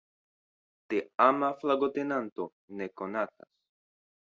Teama flagotenanto ne konatas.